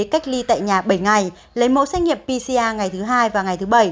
cách ly tại nhà bảy ngày lấy mẫu xét nghiệm pcr ngày thứ hai và ngày thứ bảy